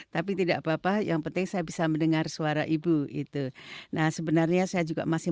tapi tidak apa apa yang penting saya bisa mendengar suara ibu itu nah sebenarnya saya juga masih